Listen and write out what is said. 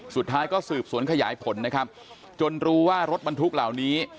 สุดท้ายก็สืบสวนขยายผลนะครับจนรู้ว่ารถบรรทุกเหล่านี้